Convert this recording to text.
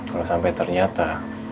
kalau sampai ternyata